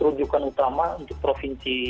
rujukan utama untuk provinsi